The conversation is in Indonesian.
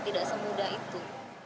tidak semudah itu